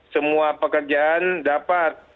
semua pekerjaan dapat